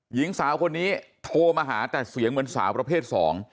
หญิงสาวคนนี้โทรมาหาแต่เสียงเหมือนสาวประเภท๒